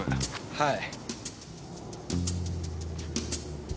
はい。